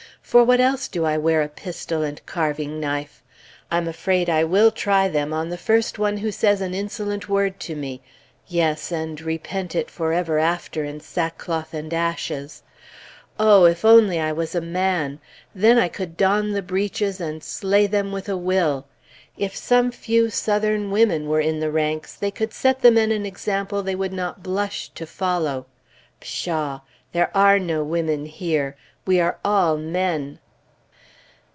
For what else do I wear a pistol and carving knife? I am afraid I will try them on the first one who says an insolent word to me. Yes, and repent for it ever after in sack cloth and ashes. O! if I was only a man! Then I could don the breeches, and slay them with a will! If some few Southern women were in the ranks, they could set the men an example they would not blush to follow. Pshaw! there are no women here! We are all men!